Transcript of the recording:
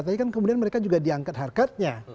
tapi kan kemudian mereka juga diangkat harkatnya